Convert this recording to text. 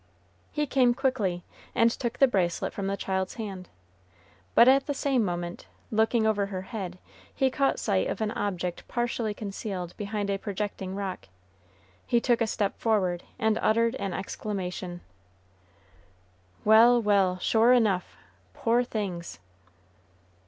He came quickly, and took the bracelet from the child's hand; but, at the same moment, looking over her head, he caught sight of an object partially concealed behind a projecting rock. He took a step forward, and uttered an exclamation, "Well, well! sure enough! poor things!"